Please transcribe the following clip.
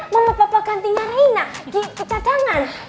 mau beberapa gantinya reina di pen eligible